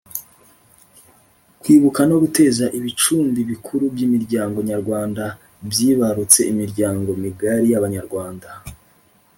Kwibuka no gukeza ibicumbi bikuru by’imiryango nyarwanda byibarutse imiryango migari y’Abanyarwanda